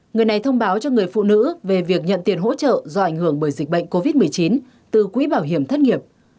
người này thông báo cho người phụ nữ về việc nhận tiền hỗ trợ do ảnh hưởng bởi dịch bệnh covid một mươi chín từ quỹ bảo hiểm thất nghiệp